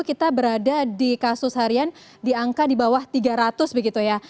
kita berada di kasus harian di angka di bawah tiga ratus begitu ya